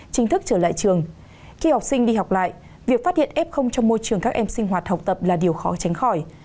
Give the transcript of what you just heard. chính thức trở lại trường khi học sinh đi học lại việc phát hiện f trong môi trường các em sinh hoạt học tập là điều khó tránh khỏi